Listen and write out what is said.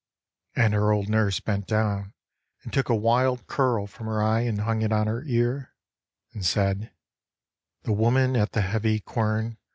And her old nurse bent down and took a wild Curl from her eye and hung it on her ear, And said, The woman at the heavy quern.